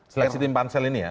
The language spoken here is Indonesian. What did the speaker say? seleksi tim pansel ini ya